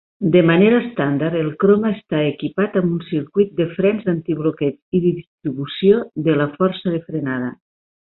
De manera estàndard, el Croma està equipat amb un circuit de frens antibloqueig i distribució de la força de frenada.